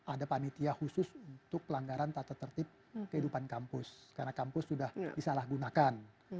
ada panitia khusus untuk pelanggaran tata tertib kehidupan kampus karena kampus sudah disalahgunakan